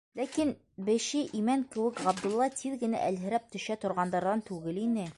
Ләкин беше имән кеүек Ғабдулла тиҙ генә әлһерәп төшә торғандарҙан түгел ине.